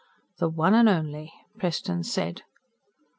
"The one and only," Preston said.